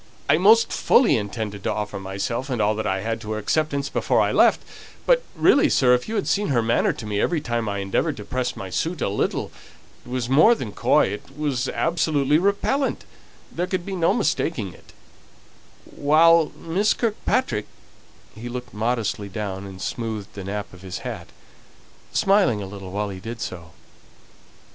I most fully intended to offer myself and all that I had to her acceptance before I left; but really, sir, if you had seen her manner to me every time I endeavoured to press my suit a little it was more than coy, it was absolutely repellent, there could be no mistaking it, while Miss Kirkpatrick " he looked modestly down, and smoothed the nap of his hat, smiling a little while he did so.